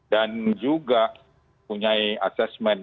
dan juga punya assessment